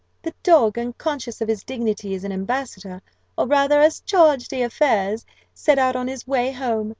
The dog, unconscious of his dignity as an ambassador, or rather as a chargé d'affaires, set out on his way home.